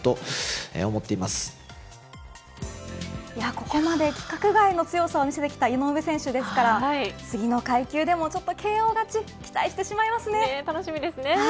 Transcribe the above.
ここまで規格外の強さを見せてきた井上選手ですから次の階級でもＫＯ勝ち期待してし楽しみですね。